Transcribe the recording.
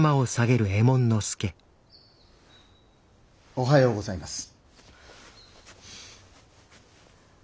おはようございます。